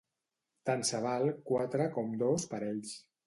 Tant se val quatre com dos parells.